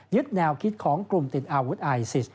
แนวคิดของกลุ่มติดอาวุธไอซิส